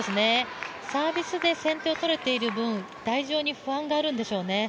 サービスで先手をとれている分台上に不安があるんでしょうね。